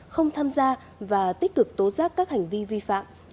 không tham gia và tích cực tố giác các hành vi vi phạm